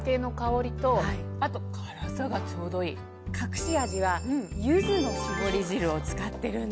隠し味はゆずの搾り汁を使ってるんです。